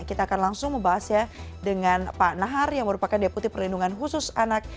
kita akan langsung membahasnya dengan pak nahar yang merupakan deputi perlindungan khusus anak